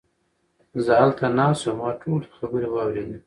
زه هلته ناست وم، ما ټولې خبرې واوريدې!